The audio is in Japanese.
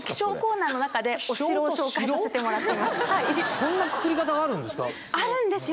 そんなくくり方があるんですか？